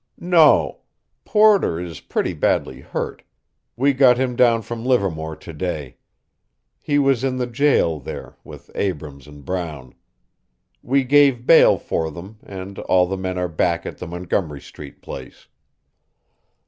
"No. Porter is pretty badly hurt. We got him down from Livermore to day. He was in the jail there, with Abrams and Brown. We gave bail for them, and all the men are back at the Montgomery Street place.